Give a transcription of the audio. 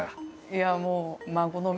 いやもう。